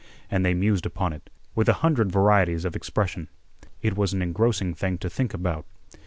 And they mused upon it, with a hundred varieties of expression. It was an engrossing thing to think about.